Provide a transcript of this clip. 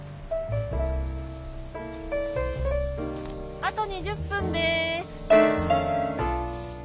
あと２０分です。